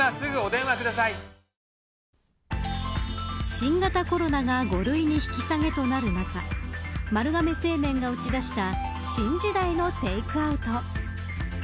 新型コロナが５類に引き下げとなる中丸亀製麺が打ち出した新時代のテークアウト。